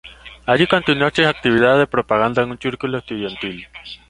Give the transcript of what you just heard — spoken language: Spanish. Allí continuó sus actividades de propaganda en un círculo estudiantil.